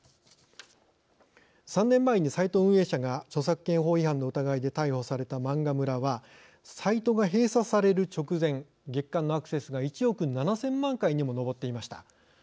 ３年前にサイト運営者が著作権法違反の疑いで逮捕された漫画村はサイトが閉鎖される直前月間のアクセスが１億７，０００万回にも上っていました。